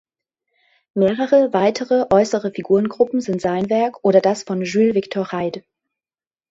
Mehrere weitere äußere Figurengruppen sind sein Werk oder das von Jules Victor Heyde.